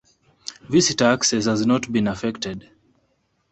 Visitor access has not been affected.